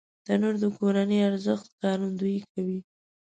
تنور د کورنی ارزښت ښکارندويي کوي